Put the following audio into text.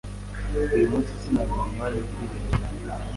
Uyu munsi sinabonye umwanya wo kwiyuhagira.